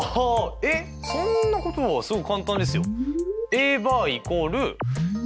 えっそんなことはすごい簡単ですよ。